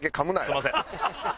すみません。